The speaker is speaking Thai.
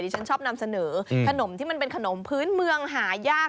ฉันชอบนำเสนอขนมที่มันเป็นขนมพื้นเมืองหายาก